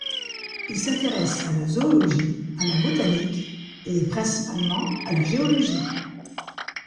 Il s’intéresse à la zoologie, à la botanique et principalement à la géologie.